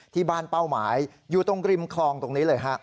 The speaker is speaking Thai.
ที่บ้านเป้าหมายอยู่ตรงริมคลองตรงนี้เลยฮะ